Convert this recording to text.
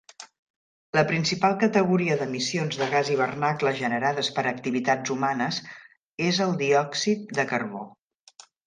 La principal categoria d'emissions de gas hivernacle generades per activitats humanes és el diòxid de carbó.